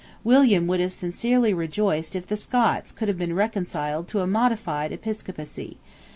William would have sincerely rejoiced if the Scots could have been reconciled to a modified episcopacy.